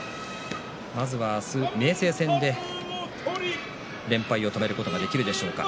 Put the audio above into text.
まずは明日、明生戦で連敗を止めることができるでしょうか。